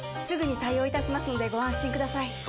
すぐに対応いたしますのでご安心ください